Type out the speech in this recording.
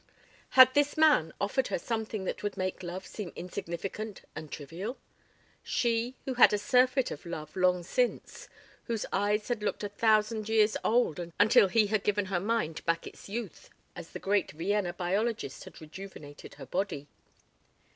Had this man offered her something that would make love seem insignificant and trivial? She, who had had a surfeit of love long since? Whose eyes had looked a thousand years old until he had given her mind back its youth as the great Vienna biologist had rejuvenated her body.